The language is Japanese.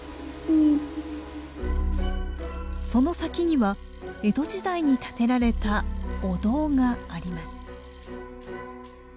その先には江戸時代に建てられたお堂があります。